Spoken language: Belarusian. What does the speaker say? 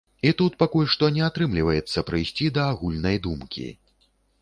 І тут пакуль што не атрымліваецца прыйсці да агульнай думкі.